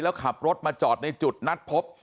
แล้วขับรถมาจอดในจุดนัดพบ